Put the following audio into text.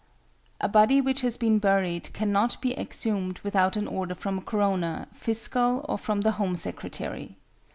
= A body which has been buried cannot be exhumed without an order from a coroner, fiscal, or from the Home Secretary.